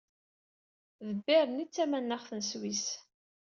D Bern i d tamanaɣt n Sswis.